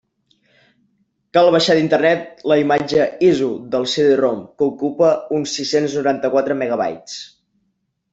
Cal baixar d'Internet la imatge ISO del CD-ROM, que ocupa uns sis-cents noranta-quatre megabytes.